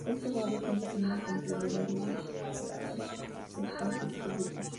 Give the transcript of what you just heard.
Este barrio cuenta con una cantidad variada de espacios públicos.